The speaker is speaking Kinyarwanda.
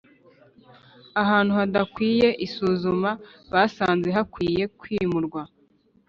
ahantu hadakwiye isuzuma basanze hakwiye kwimurwa